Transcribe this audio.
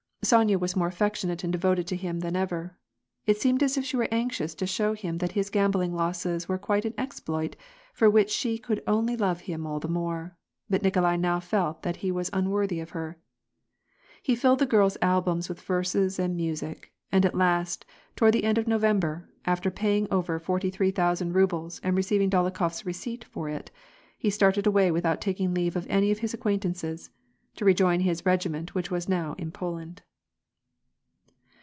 Sonya was more affectionate and devoted to him than ever. It seemed as if she were anxious to show him that his gam bling losses were quite an exploit, for which she could only love him the more, but Nikolai now felt that he was un worthy of her. He filled the girls' albums with verses and music, and at last, toward the end of November, after paying over the forty three thousand rubles, and receiving Dolokhof's receipt for it, be started away without taking leave of any of his acquain tances, to rejoin his regiment which was now in Poland.